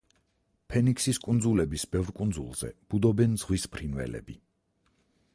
ფენიქსის კუნძულების ბევრ კუნძულზე ბუდობენ ზღვის ფრინველები.